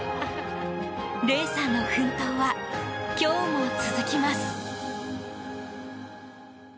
玲さんの奮闘は今日も続きます。